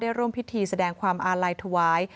ร่วมพิธีแสดงความอาลัยถวาย